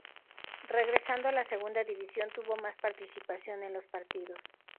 Regresando a la Segunda División tuvo más participación en los partidos.